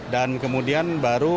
dan kemudian baru